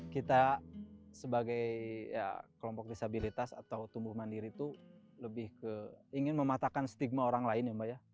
kita sebagai kelompok disabilitas atau tumbuh mandiri itu lebih ke ingin mematakan stigma orang lain ya mbak ya